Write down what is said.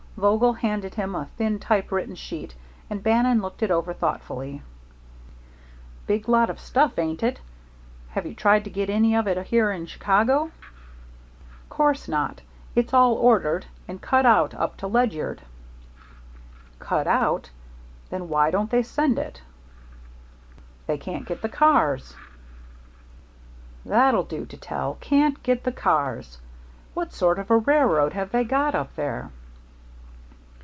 Vogel handed him a thin typewritten sheet and Bannon looked it over thoughtfully. "Big lot of stuff, ain't it? Have you tried to get any of it here in Chicago?" "Course not. It's all ordered and cut out up to Ledyard." "Cut out? Then why don't they send it?" "They can't get the cars." "That'll do to tell. 'Can't get the cars!' What sort of a railroad have they got up there?"